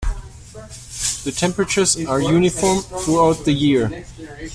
The temperatures are uniform throughout the year.